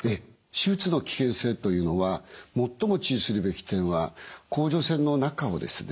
手術の危険性というのは最も注意するべき点は甲状腺の中をですね